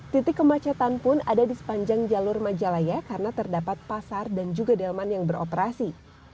titik kemacetan pun ada di sepanjang jalur majalaya karena terdapat pasar dan juga delman yang beroperasi